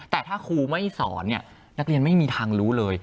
แต่ถ้าครูไม่สอนเนี่ยนักเรียนไม่มีทางรู้เลย